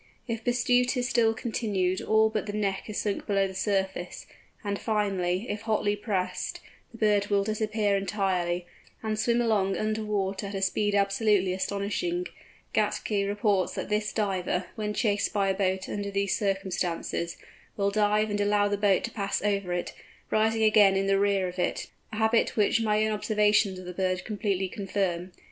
If pursuit is still continued all but the neck is sunk below the surface, and finally, if hotly pressed, the bird will disappear entirely, and swim along under water at a speed absolutely astonishing, Gätke records that this Diver, when chased by a boat under these circumstances, will dive and allow the boat to pass over it, rising again in the rear of it, a habit which my own observations of the bird completely confirm.